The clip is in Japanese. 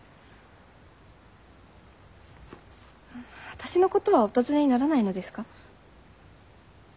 私のことはお尋ねにならないのですか？